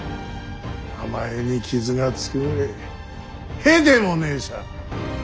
名前に傷がつくぐれえへでもねえさ。